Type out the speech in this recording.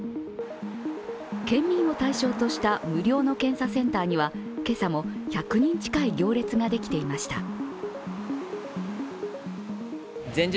県民を対象とした無料の検査センターには今朝も１００人近い行列ができていました。